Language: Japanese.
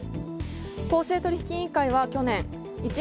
公正取引委員会は去年１円